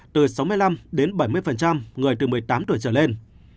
từ sáu mươi năm đến bảy mươi người từ một mươi tám tuổi trở lên